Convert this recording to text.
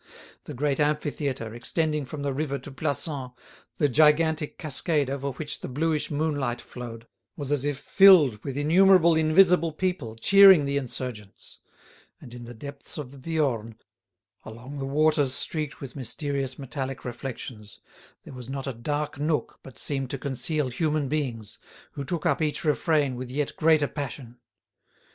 The great amphitheatre, extending from the river to Plassans, the gigantic cascade over which the bluish moonlight flowed, was as if filled with innumerable invisible people cheering the insurgents; and in the depths of the Viorne, along the waters streaked with mysterious metallic reflections, there was not a dark nook but seemed to conceal human beings, who took up each refrain with yet greater passion.